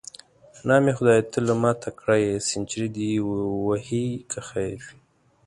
نام خدای، ته له ما تکړه یې، سنچري دې وهې که خیر وي.